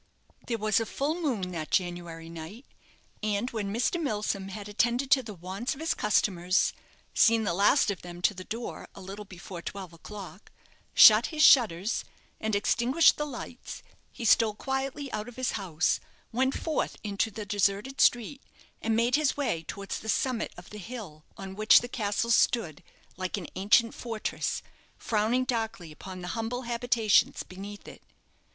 There was a full moon that January night, and when Mr. Milsom had attended to the wants of his customers, seen the last of them to the door a little before twelve o'clock, shut his shutters, and extinguished the lights, he stole quietly out of his house, went forth into the deserted street, and made his way towards the summit of the hill on which the castle stood, like an ancient fortress, frowning darkly upon the humble habitations beneath it.